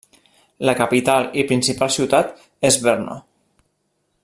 La capital i principal ciutat és Brno.